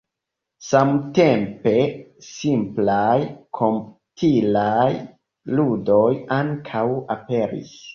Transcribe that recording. Samtempe, simplaj komputilaj ludoj ankaŭ aperis.